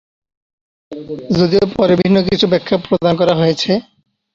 যদিও পরে ভিন্ন কিছু ব্যাখা প্রদান করা হয়েছে।